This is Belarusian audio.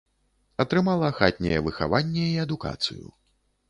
Атрымала хатняе выхаванне і адукацыю.